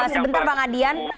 sebentar bang adian